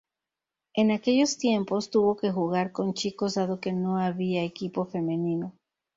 En aquellos tiempos tuvo que jugar con chicos dado que no había equipo femenino.